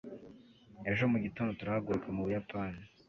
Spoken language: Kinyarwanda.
ejo mu gitondo turahaguruka mu buyapani